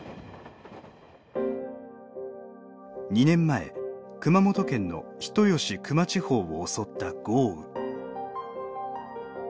２年前熊本県の人吉・球磨地方を襲った豪雨。